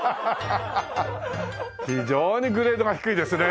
非常にグレードが低いですね。